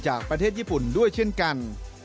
จากประเทศญี่ปุ่นด้วยเช่นกัน